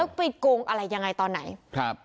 แล้วปิดกรงอะไรยังไงต่อไหนครับ